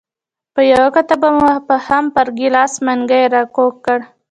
په یوه ګوته به مو هم پر ګیلاس منګی راکوږ کړ.